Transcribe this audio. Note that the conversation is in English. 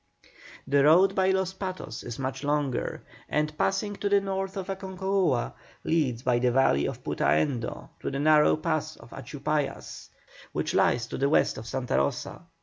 The road by Los Patos is much longer, and, passing to the north of Aconcagua, leads by the valley of Putaendo to the narrow pass of Achupallas, which lies to the west of Santa Rosa.